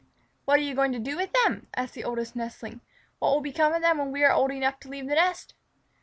"What are you going to do with them?" asked the Oldest Nestling. "What will become of them when we are old enough to leave the nest?"